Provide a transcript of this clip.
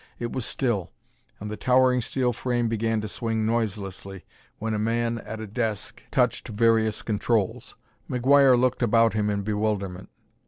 It was still, and the towering steel frame began to swing noiselessly when a man at a desk touched various controls. McGuire looked about him in bewilderment.